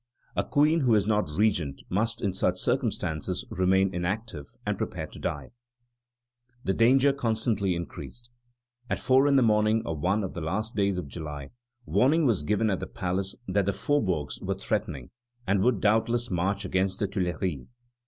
A queen who is not regent must in such circumstances remain inactive and prepare to die." The danger constantly increased. At four in the morning of one of the last days of July, warning was given at the palace that the faubourgs were threatening, and would doubtless march against the Tuileries.